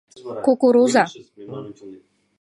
Кукуруза...